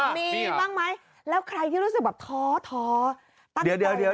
มีหรือเปล่าแล้วใครที่รู้สึกแบบท้อตั้งใจนะ